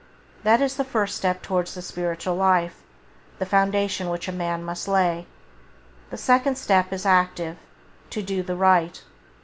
That is the first step towards the spiritual life, the foundation which a man must lay. The second step is active: to do the right.